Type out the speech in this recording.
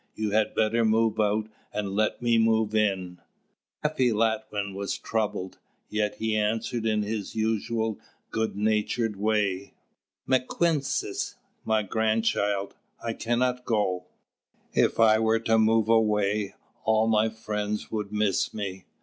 You had better move out, and let me move in." Laffy Latwin was troubled, yet he answered in his usual good natured way: "M'Quensis [my grandchild], I cannot go. If I were to move away, all my friends would miss me.